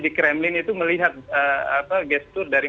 di kremlin itu melihat gestur dari